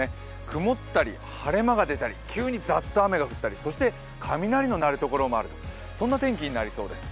曇ったり晴れ間が出たり、急にザッと雨が降ったりそして雷の鳴るところもある天気になりそうです。